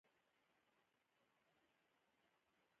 زیات خلک منفي شتمنۍ څښتنان دي.